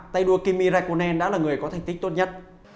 tay đua kimi raikonen đã là người có thành tích tốt nhất